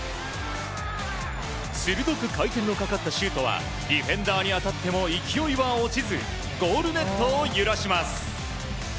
鋭く回転のかかったシュートはディフェンダーに当たっても勢いは落ちずゴールネットを揺らします。